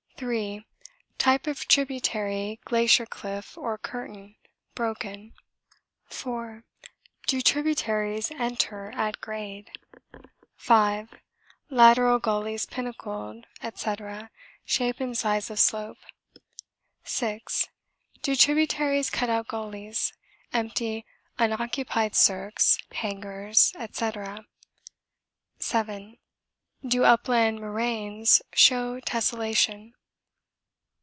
3. Type of tributary glacierscliff or curtain, broken. 4. Do tributaries enter 'at grade'? 5. Lateral gullies pinnacled, &c., shape and size of slope. 6. Do tributaries cut out gullies empty unoccupied cirques, hangers, &c. 7. Do upland moraines show tesselation?